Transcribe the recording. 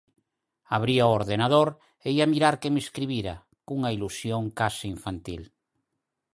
Abría o ordenador e ía mirar quen me escribira, cunha ilusión case infantil.